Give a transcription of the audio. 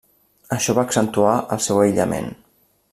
Això va accentuar el seu aïllament.